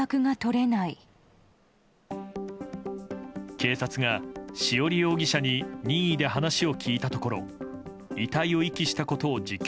警察が潮理容疑者に任意で話を聞いたところ遺体を遺棄したことを自供。